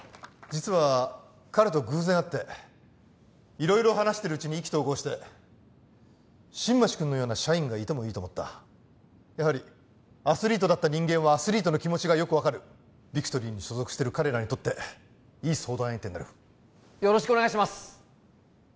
実は彼と偶然会っていろいろ話してるうちに意気投合して新町くんのような社員がいてもいいと思ったやはりアスリートだった人間はアスリートの気持ちがよく分かるビクトリーに所属してる彼らにとっていい相談相手になるよろしくお願いします